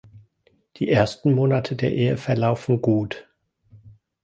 Die ersten Monate der Ehe verlaufen gut.